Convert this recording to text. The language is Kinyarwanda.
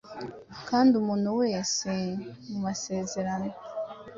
kandi umuntu wese mu masezerano